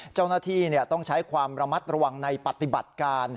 เจ้าหน้าที่ต้องใช้ความระมัดระวังในปฏิบัติการ